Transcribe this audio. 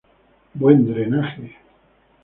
Buen drenaje.